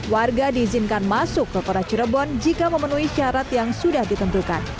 warga diizinkan masuk ke kota cirebon jika memenuhi syarat yang sudah ditentukan